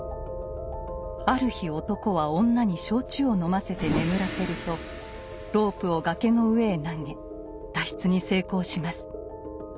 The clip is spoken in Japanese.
ある日男は女に焼酎を飲ませて眠らせるとロープを崖の上へ投げ脱出に成功します。